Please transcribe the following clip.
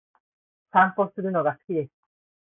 散歩するのが好きです。